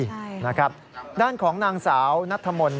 ใช่นะครับด้านของนางสาวนัทธมนต์